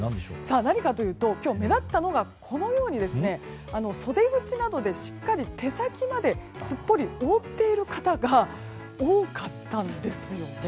何かというと今日目立ったのは、このように袖口などでしっかり手先まですっぽり覆っている方が多かったんですよね。